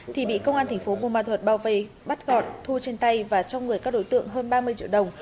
thì bị công an thành phố buôn ma thuật bao vây bắt gọn thu trên tay và trong người các đối tượng hơn ba mươi triệu đồng